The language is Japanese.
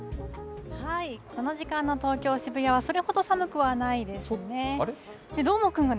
この時間の東京・渋谷はそれほど寒くはないですね。